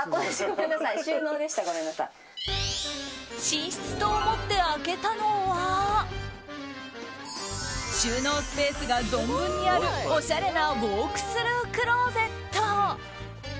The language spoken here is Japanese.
寝室と思って開けたのは収納スペースが存分にあるおしゃれなウォークスルークローゼット。